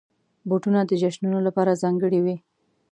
بوټونه د جشنونو لپاره ځانګړي وي.